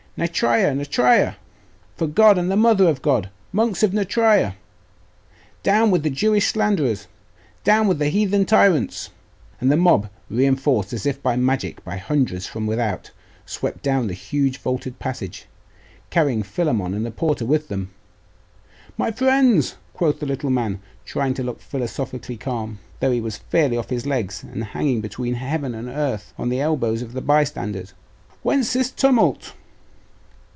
'Nitria! Nitria! For God and the mother of God, monks of Nitria! Down with the Jewish slanderers! Down with heathen tyrants!' And the mob, reinforced as if by magic by hundreds from without, swept down the huge vaulted passage, carrying Philammon and the porter with them. 'My friends,' quoth the little man, trying to look philosophically calm, though he was fairly off his legs, and hanging between heaven and earth on the elbows of the bystanders, 'whence this tumult?